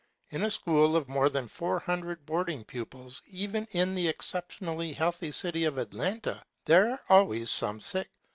In a school of more than four hundred boarding pupils, even in the exceptionally healthy city off Atlanta, there are always some sick.